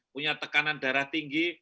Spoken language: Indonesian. punya tekanan darah tinggi